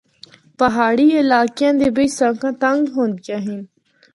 پہاڑی علاقیاں دے بچ سڑکاں تنگ ہوندیاں ہن۔